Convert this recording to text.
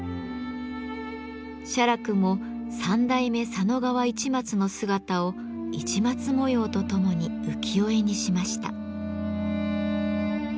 写楽も三代目・佐野川市松の姿を市松模様とともに浮世絵にしました。